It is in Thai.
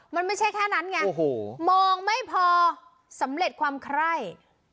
มันไม่ใช่แค่นั้นไงมองไม่พอสำเร็จความไคร่